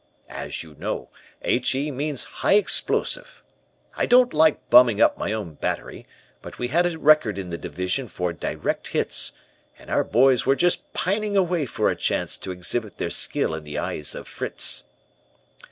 As you know, H. E. means 'high explosive'. I don't like bumming up my own battery, but we had a record in the Division for direct hits, and our boys were just pining away for a chance to exhibit their skill in the eyes of Fritz.